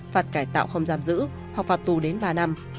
phạt cải tạo không giam giữ hoặc phạt tù đến ba năm